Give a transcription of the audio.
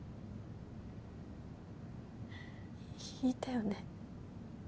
引いたよね。